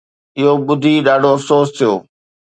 اهو ٻڌي ڏاڍو افسوس ٿيو